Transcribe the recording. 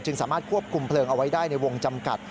สามารถควบคุมเพลิงเอาไว้ได้ในวงจำกัด